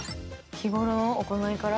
日頃の行いから？